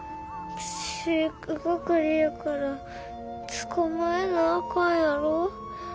飼育係やから捕まえなあかんやろ。